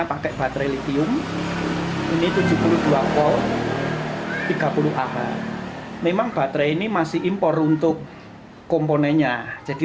memakai baterai lithium ini tujuh puluh dua volt tiga puluh ah memang baterai ini masih impor untuk komponennya jadi